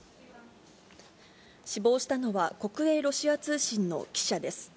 死亡したのは、国営ロシア通信の記者です。